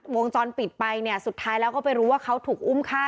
วงจรปิดไปเนี่ยสุดท้ายแล้วก็ไปรู้ว่าเขาถูกอุ้มฆ่า